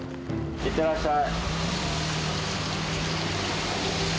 いってらっしゃい。